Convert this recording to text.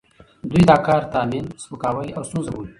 دوی دا کار تحمیل، سپکاوی او ستونزه بولي،